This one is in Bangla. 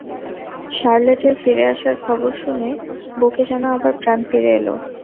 শার্লেটের ফিরে আসার খবর শুনে বুকে যেন আবার প্রাণ ফিরে এল।